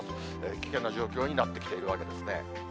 危険な状況になってきているわけですね。